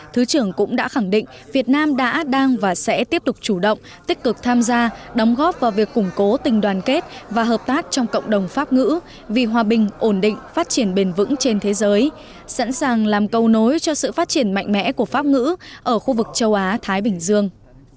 thứ trưởng cũng đã khẳng định việt nam đã đang và sẽ tiếp tục chủ động tích cực tham gia đóng góp vào việc củng cố tình đoàn kết và hợp tác trong cộng đồng pháp ngữ vì hòa bình ổn định phát triển bền vững trên thế giới sẵn sàng làm cầu nối cho sự phát triển mạnh mẽ của pháp ngữ ở khu vực châu á thái bình dương